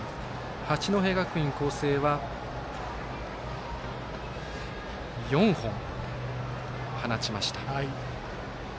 八戸学院光星は４本、放ちました。